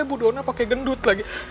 bu dona pakai gendut lagi